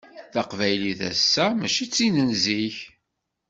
Taqbaylit ass-a mačči d tin n zik.